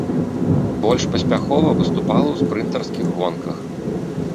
Больш паспяхова выступала ў спрынтарскіх гонках.